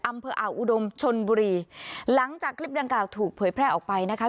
อำเภออ่าวอุดมชนบุรีหลังจากคลิปดังกล่าวถูกเผยแพร่ออกไปนะคะ